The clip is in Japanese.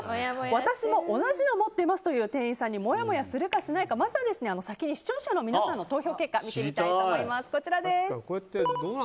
私も同じの持ってますという店員さんにもやもやするかしないかまずは視聴者の皆さんの投票結果を見てみたいと思います。